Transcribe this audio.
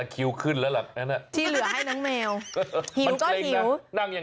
ขิวขึ้นแล้วนะ